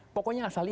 pokoknya asal ikan